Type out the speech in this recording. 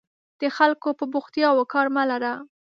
د خلکو په بوختیاوو کار مه لره.